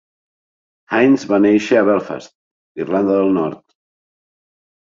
Hinds va néixer a Belfast, Irlanda del Nord.